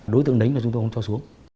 đối tượng đánh là chúng tôi không cho xuống